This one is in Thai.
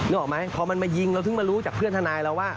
ออกไหมพอมันมายิงเราถึงมารู้จากเพื่อนทนายเราว่า